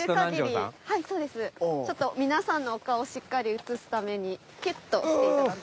ちょっと皆さんのお顔をしっかり写すためにキュッとして頂き。